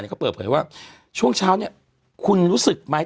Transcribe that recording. เขาเปิดเผยว่าช่วงเช้าเนี่ยคุณรู้สึกไหม